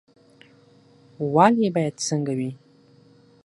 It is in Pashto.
والي باید څنګه وي؟